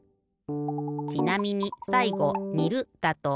ちなみにさいごにるだと。